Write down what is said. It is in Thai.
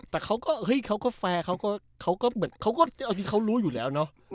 แต่เขาก็แฟร์เขาก็รู้อยู่แล้วเนาะ